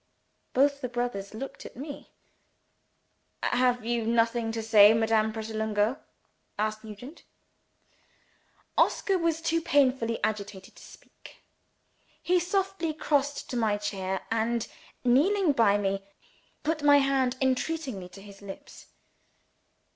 Both the brothers looked at me. "Have you nothing to say, Madame Pratolungo?" asked Nugent. Oscar was too painfully agitated to speak. He softly crossed to my chair; and, kneeling by me, put my hand entreatingly to his lips.